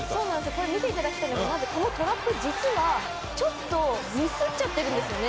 これ、見ていただきたいのはトラップ、実はちょっとミスっちゃっているんですよね。